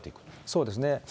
そうですね。